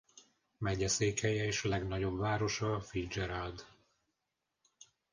Megyeszékhelye és legnagyobb városa Fitzgerald.